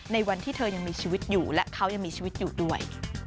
ในวันที่เธอยังมีชีวิตอยู่และเขายังมีชีวิตอยู่ด้วย